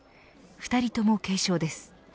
２人とも軽症です。